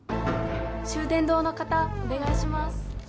・秀伝堂の方お願いします